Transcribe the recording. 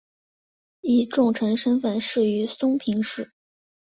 以重臣身份仕于松平氏。